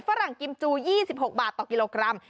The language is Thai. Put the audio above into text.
ฝรั่งกิมจู๒๖บาทต่อกิโลกรัม